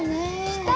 きた！